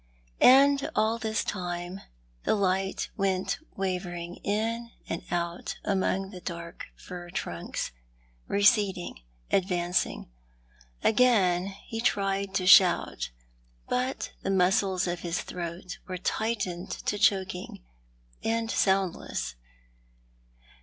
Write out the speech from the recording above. And all this time the light went wavering in and out among the dark fir trunks — receding — advancing. Again he tried to shout, but the muscles of his throat were tightened to choking, and soundless.